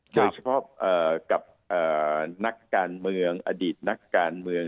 โดยเฉพาะกับนักการเมืองอดีตนักการเมือง